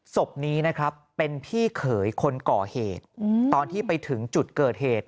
ศพนี้นะครับเป็นพี่เขยคนก่อเหตุตอนที่ไปถึงจุดเกิดเหตุ